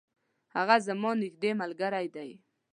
هغه زما نیږدي ملګری دی.